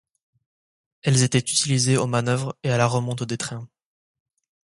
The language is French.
Elles étaient utilisées aux manœuvres et à la remonte des trains.